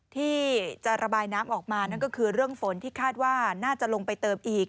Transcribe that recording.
ที่จะระบายน้ำออกมานั่นก็คือเรื่องฝนที่คาดว่าน่าจะลงไปเติมอีก